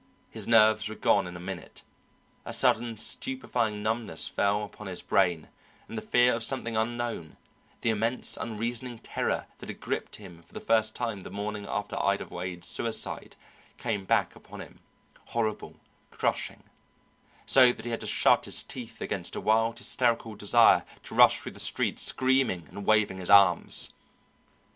His nerves were gone in a minute, a sudden stupefying numbness fell upon his brain, and the fear of something unknown, the immense unreasoning terror that had gripped him for the first time the morning after Ida Wade's suicide came back upon him, horrible, crushing, so that he had to shut his teeth against a wild hysterical desire to rush through the streets screaming and waving his arms.